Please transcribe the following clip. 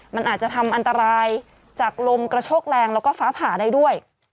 มันอาจจะทำอันตรายจากลมกระโชกแรงแล้วก็ฟ้าผ่าได้ด้วย